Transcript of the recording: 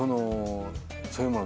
そういうもの。